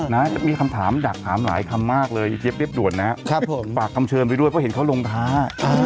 นะมีคำถามอยากถามหลายคำมากเลยเจี๊ยเรียบด่วนนะครับผมฝากคำเชิญไปด้วยเพราะเห็นเขาลงท้า